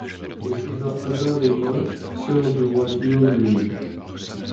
Il épousa Ada d'Écosse, sœur du roi Guillaume le Lion.